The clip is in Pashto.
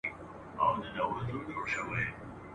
ویل کوچ وکړ یارانو ویل ړنګ سول محفلونه ..